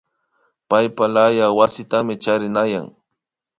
Paypalaya wasitami charinayan